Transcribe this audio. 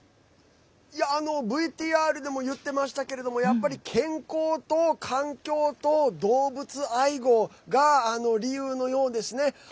ＶＴＲでも言っていましたけど健康と環境と動物愛護が理由のようですね。